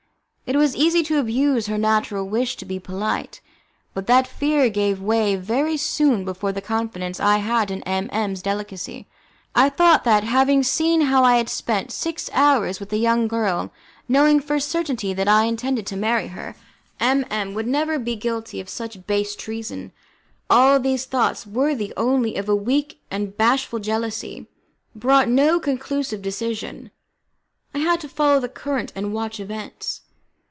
It was easy to abuse her natural wish to be polite, but that fear gave way very soon before the confidence I had in M M s delicacy. I thought that, having seen how I had spent six hours with that young girl, knowing for a certainty that I intended to marry her, M M would never be guilty of such base treason. All these thoughts, worthy only of a weak and bashful jealousy, brought no conclusive decision. I had to follow the current and watch events.